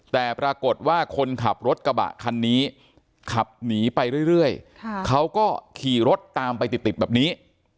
แต่ปรากฏว่าคนขับรถกระบะคันนี้ขับหนีไปเรื่อยเขาก็ขี่รถตามไปติดแบบนี้